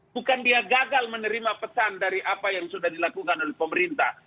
bukan dia gagal menerima pesan dari apa yang sudah dilakukan oleh pemerintah